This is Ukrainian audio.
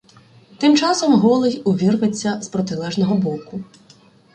Тим часом Голий увірветься з протилежного боку.